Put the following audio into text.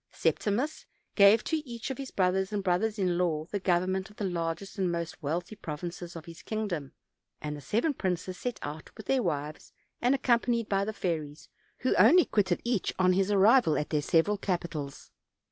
Septi mus gave to each of his brothers and brothers in law the government of the largest and most wealthy provinces of his kingdom; and the seven princes set out with their wives, and accompanied by the fairies, who only quitted each on his arrival at their several capitals.